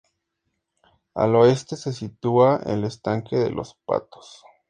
Al oeste se sitúa el estanque de los patos.